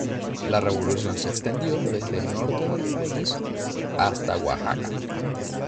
La revolución se extendió desde norte del país hasta Oaxaca.